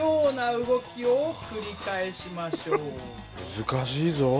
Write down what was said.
難しいぞ。